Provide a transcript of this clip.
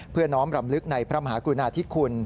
น้อมรำลึกในพระมหากรุณาธิคุณ